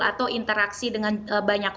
atau interaksi dengan banyak